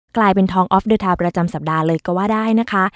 กลายเป็นทองออฟเดอร์ทาวน์ประจำสัปดาห์เลยก็ว่าได้นะคะ